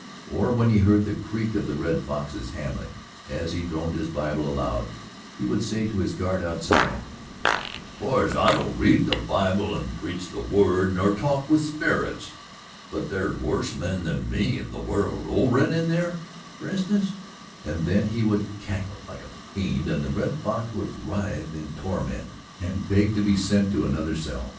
Or when he heard the creak of the Red Fox's hammock as he droned his Bible aloud, he would say to his guard outside: "Course I don't read the Bible an' preach the word, nor talk with sperits, but thar's worse men than me in the world old Red in thar' for instance"; and then he would cackle like a fiend and the Red Fox would writhe in torment and beg to be sent to another cell.